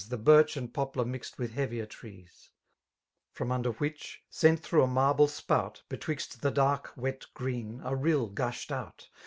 The birch and poplar mixsed witii heavier trees ; From under which, sent through a marble spout. Betwixt the dark wet green, a rill gushed out.